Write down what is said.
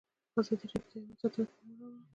ازادي راډیو د حیوان ساتنه ته پام اړولی.